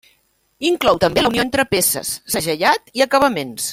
Inclou també la unió entre peces, segellat i acabaments.